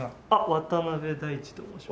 渡辺海智と申します。